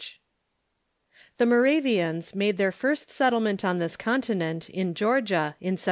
] The Moravians made their first settlement on this conti nent in Georgia, in 1735.